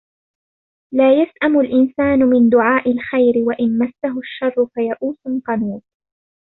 لا يسأم الإنسان من دعاء الخير وإن مسه الشر فيئوس قنوط